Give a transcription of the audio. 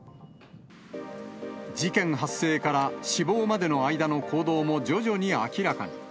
事件発生から死亡までの間の行動も徐々に明らかに。